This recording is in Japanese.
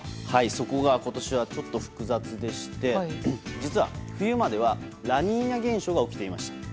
そこが今年はちょっと複雑でして実は、冬まではラニーニャ現象が起きていました。